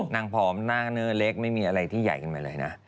นางผอมหน้าเนื้อเล็กไม่มีอะไรที่ใหญ่อย่างไรเลย